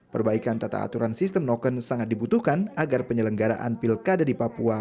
perbaikan tata aturan sistem noken sangat dibutuhkan agar penyelenggaraan pilkada di papua